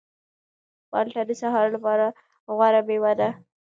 مالټه د سهار لپاره غوره مېوه ده.